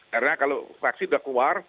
karena kalau vaksin sudah keluar